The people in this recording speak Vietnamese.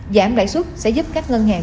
giảm lãi xuất sẽ giúp các ngân hàng